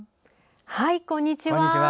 はい、こんにちは。